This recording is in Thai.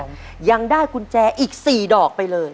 ค่ะพร้อมยังได้กุญแจอีก๔ดอกไปเลย